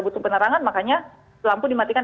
butuh penerangan makanya lampu dimatikan